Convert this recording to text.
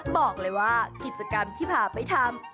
บอกเลยว่ากิจกรรมที่พาไปทำ